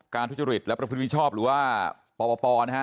ทุจริตและประพฤติมิชชอบหรือว่าปปนะฮะ